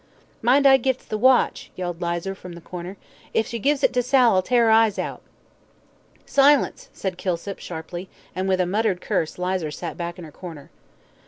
"Mind I gits the watch," yelled Lizer, from the corner. "If you gives it to Sal I'll tear her eyes out." "Silence!" said Kilsip, sharply, and, with a muttered curse, Lizer sat back in her corner.